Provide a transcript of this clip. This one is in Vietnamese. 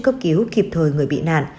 cấp cứu kịp thời người bị nạn